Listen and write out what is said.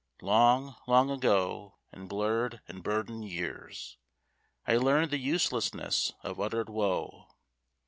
Long, long ago, in blurred and burdened years, I learned the uselessness of uttered woe.